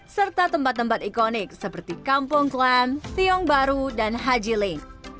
serta tempat tempat ikonik seperti kampung klam tiong bahru dan hajiling